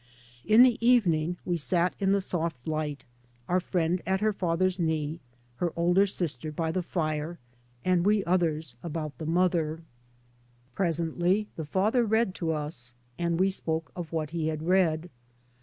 In the evening we sat in the soft Il^t, our friend at her father's knee, her older sister by the fire, and we others about the mother. 3 by Google MY MOTHER AND I Presently the father read to us, and we spoke of what he had read.